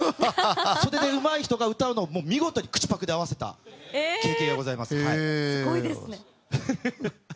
それでうまい人が歌うのを見事に口パクで合わせたすごいですね。